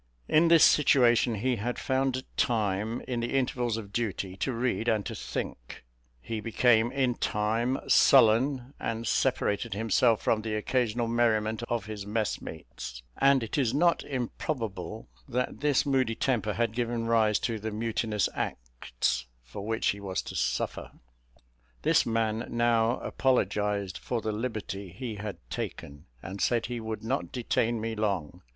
In this situation he had found time, in the intervals of duty, to read and to think; he became, in time, sullen, and separated himself from the occasional merriment of his messmates; and it is not improbable that this moody temper had given rise to the mutinous acts for which he was to suffer. This man now apologized for the liberty he had taken, and said he would not detain me long.